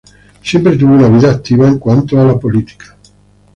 Siempre tuvo una vida activa en cuanto a la política.